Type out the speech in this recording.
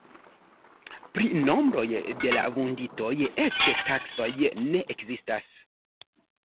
Pri nombroj de la vunditoj eĉ taksoj ne ekzistas.